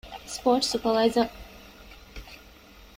ސްޕޯރޓްސް ސުޕަރވައިޒަރ